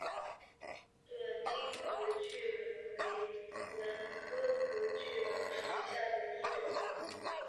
短茎隔距兰为兰科隔距兰属下的一个种。